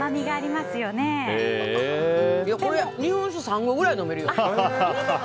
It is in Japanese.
これ、日本酒３合ぐらい飲めるよ。